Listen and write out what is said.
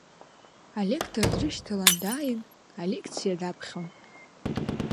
Алектор дрышьҭалан дааин, алекциа даԥхьон.